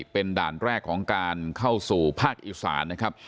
เป็นด่านแรกของการเข้าสู่ภาคอีสานนะครับ